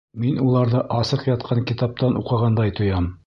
Мин уларҙы асыҡ ятҡан китаптан уҡығандай тоям.